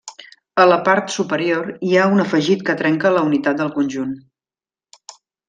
A la part superior hi ha un afegit que trenca la unitat del conjunt.